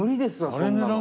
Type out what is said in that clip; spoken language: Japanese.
そんなの。